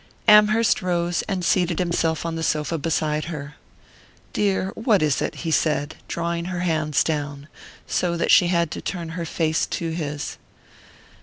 Amherst rose and seated himself on the sofa beside her. "Dear! What is it?" he said, drawing her hands down, so that she had to turn her face to his.